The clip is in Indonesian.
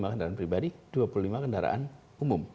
lima kendaraan pribadi dua puluh lima kendaraan umum